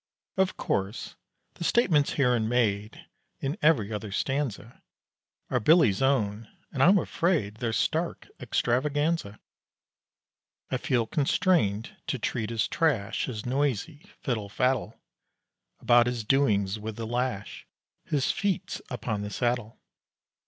Of course, the statements herein made In every other stanza Are Billy's own; and I'm afraid They're stark extravaganza. I feel constrained to treat as trash His noisy fiddle faddle About his doings with the lash, His feats upon the saddle.